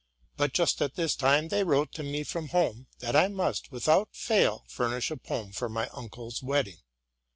But just at this time they wrote to me from home, that I must without fail furnish a poem for my uncle's wedding.